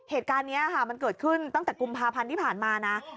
เหตุการณ์นี้ค่ะมันเกิดขึ้นตั้งแต่กุมภาพันธ์ที่ผ่านมานะ